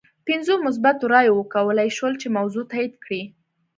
پنځو مثبتو رایو وکولای شول چې موضوع تایید کړي.